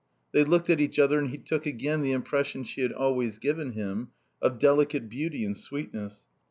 They looked at each other and he took again the impression she had always given him of delicate beauty and sweetness.